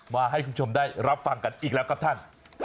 มาให้คุณผู้ชมได้รับฟังกันอีกแล้วครับท่าน